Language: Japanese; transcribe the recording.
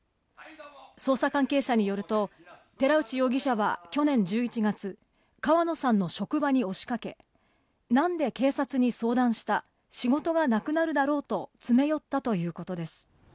捜査関係者によると、寺内容疑者は去年１１月、川野さんの職場に押しかけ、なんで警察に相談した、仕事がなくなるだろうと詰め寄ったということです。